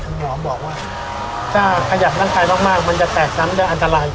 หมอบอกว่าถ้าขยับร่างกายมากมันจะแตกซ้ำได้อันตราย